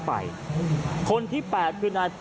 เฮ้ยเฮ้ยเฮ้ย